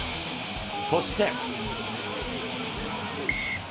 そして。